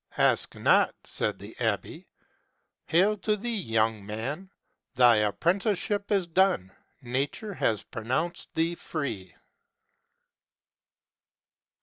"" Ask not," said the abbe. " Hail to thee, }Toung man ! Thy Apprenticeship is done: Nature has pronounced thee free."